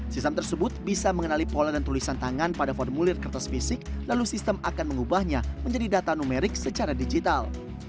sistem tersebut bisa mengenali pola dan tulisan tangan pada formulir kertas fisik lalu sistem akan mengubahnya menjadi data numerik secara digital